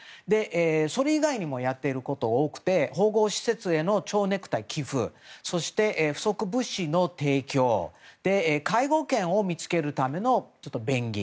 それ以外にもやってることが多くて保護施設への蝶ネクタイ寄付そして、不足物資の提供介護犬を見つけるための便宜。